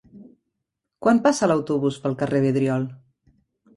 Quan passa l'autobús pel carrer Vidriol?